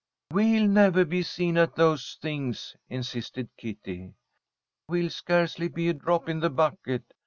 "We'll never be seen at those things," insisted Kitty. "We'll scarcely be a drop in the bucket.